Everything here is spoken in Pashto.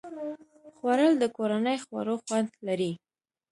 خوړل د کورني خواړو خوند لري